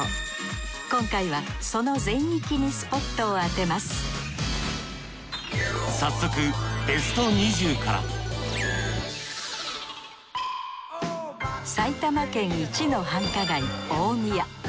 今回はその全域にスポットを当てます早速ＢＥＳＴ２０から埼玉県イチの繁華街大宮。